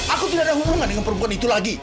aku tidak ada hubungan dengan perempuan itu lagi